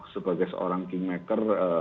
sebagai seorang kingmaker